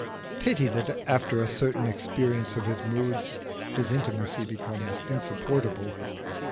Pity that, after a certain experience of his moods, his intimacy becomes insupportable!